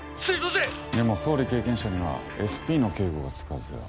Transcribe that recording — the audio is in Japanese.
でも総理経験者にはＳＰの警護がつくはずでは？